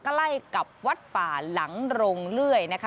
ใกล้กับวัดป่าหลังโรงเลื่อยนะคะ